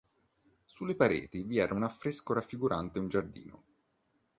Sulle pareti vi era un affresco raffigurante un giardino.